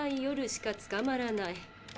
夜しかつかまらない。